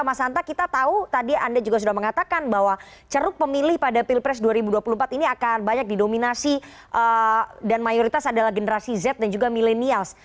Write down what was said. mas hanta kita tahu tadi anda juga sudah mengatakan bahwa ceruk pemilih pada pilpres dua ribu dua puluh empat ini akan banyak didominasi dan mayoritas adalah generasi z dan juga millenials